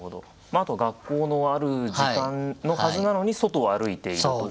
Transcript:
あとは学校のある時間のはずなのに外を歩いているとか。